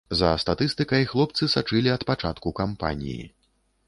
За статыстыкай хлопцы сачылі ад пачатку кампаніі.